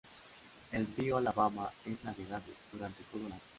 El río Alabama es navegable durante todo el año.